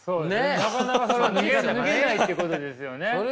なかなかそれが脱げないってことですよね。